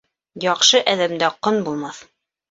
Яҡшы әҙәмдә ҡон булмаҫ